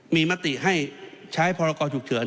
มีมติให้ใช้พรกรฉุกเฉิน